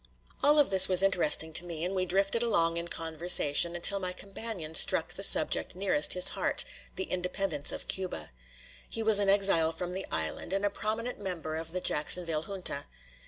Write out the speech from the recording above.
All of this was interesting to me; and we drifted along in conversation until my companion struck the subject nearest his heart, the independence of Cuba. He was an exile from the island, and a prominent member of the Jacksonville Junta.